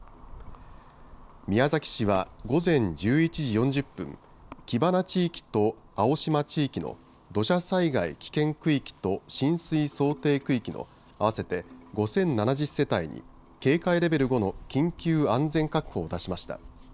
宮崎市は午前１１時４０分、木花地域と青島地域の土砂災害危険区域と浸水想定区域の合わせて５０７０世帯に警戒レベル５の緊急安全確保を出しました。